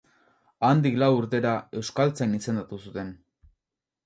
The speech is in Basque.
Handik lau urtera euskaltzain izendatu zuten.